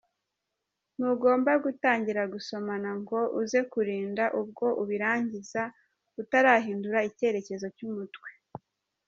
Ntugomba gutangira gusomana ngo uze kurinda ubwo ubirangiza, utarahindura icyerekezo cy’umutwe.